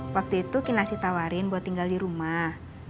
waktu itu kakek nasi tawarin buat tinggal di rumah